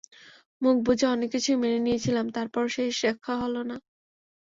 মুখ বুঝে অনেক কিছুই মেনে নিয়েছিলাম তারপরও শেষ রক্ষা হলো না।